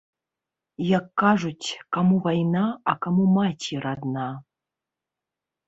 Як кажуць, каму вайна, а каму маці радна.